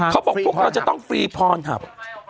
เขาบอกพวกเราจะต้องฟรีพอร์นฮับ